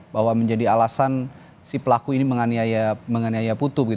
bahwa menjadi alasan si pelaku ini menganiaya putu